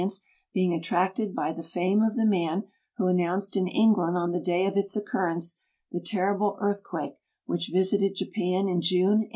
Mwe being attracted by tbe fame of the man wiio announced in Knj; land on the day of its occurrence the terrible eartlKiuake \vhi< h visited Jajian in June, 1896.